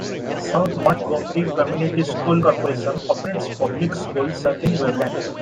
South Montgomery Community School Corporation operates public schools serving Waveland.